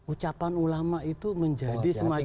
ucapan ulama itu menjadi semacam